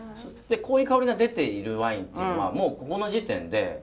こういう香りが出ているワインというのはもうここの時点で。